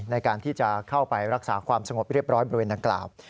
ในการที่จะเข้าไปรักษาความสงบเรียบร้อยบริเวณดังกล่าว